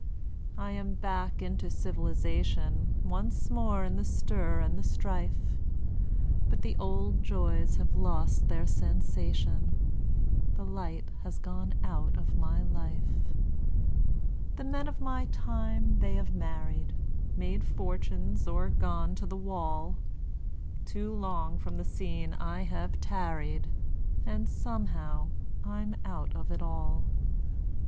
I am back into civilisation, Once more in the stir and the strife, But the old joys have lost their sensation The light has gone out of my life; The men of my time they have married, Made fortunes or gone to the wall; Too long from the scene I have tarried, And, somehow, I'm out of it all.